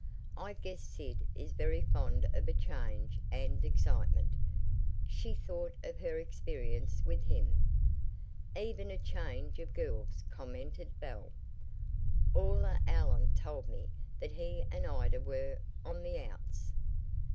"I guess Sid is very fond of a change and excitement." She thought of her experience with him. "Even a change of girls," commented Belle. "Aula Allen told me that he and Ida were `on the outs.'"